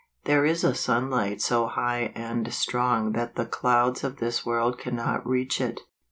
There is a sunlight so high and strong that the clouds of this world cannot reach it.